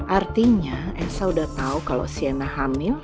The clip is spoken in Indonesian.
artinya esa udah tau kalau sienna hamil